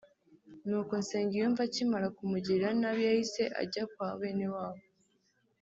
nuko Nsengiyumva akimara kumugirira nabi yahise ajya kwa benewabo